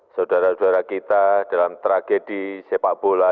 saudara saudara kita dalam tragedi sepak bola